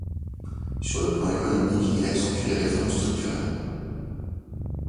Sur le plan économique, il accentue les réformes structurelles.